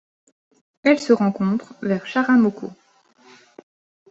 Elle se rencontre vers Charamoco.